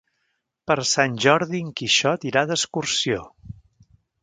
Per Sant Jordi en Quixot irà d'excursió.